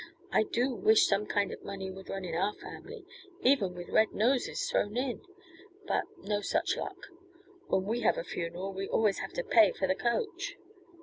I do wish some kind of money would run in our family even with red noses thrown in. But no such luck! When we have a funeral we always have to pay for the coach."